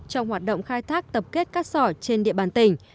trong hoạt động khai thác tập kết cát sỏi trên địa bàn tỉnh